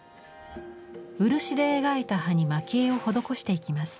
漆で描いた葉に蒔絵を施していきます。